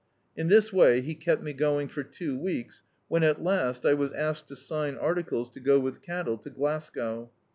In this way he kept me going for two weeks when, at last, I was asked to sign articles to go with cattle to Glasgow.